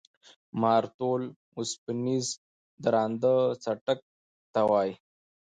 مارتول اوسپنیز درانده څټک ته وایي.